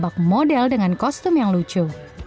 tapi juga model dengan kostum yang lucu